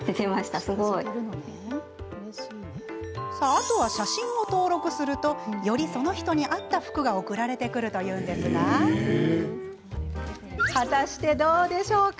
あとは写真を登録するとより、その人に合った服が送られてくるというんですが果たして、どうでしょうか？